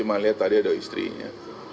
cuma lihat tadi ada istrinya